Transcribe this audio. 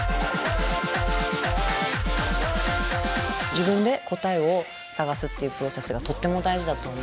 自分で答えを探すっていうプロセスがとっても大事だと思うし。